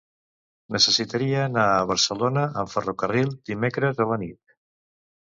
Necessitaria anar a Barcelona amb ferrocarril dimecres a la nit.